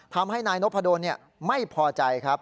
ทำให้นายนพระโดนไม่พอใจ